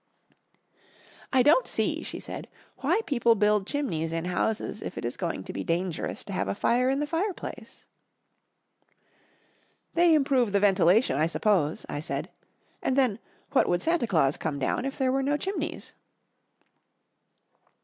"I don't see," she said, "why people build chimneys in houses if it is going to be dangerous to have a fire in the fireplace." "They improve the ventilation, I suppose," I said, "and then, what would Santa Claus come down if there were no chimneys?"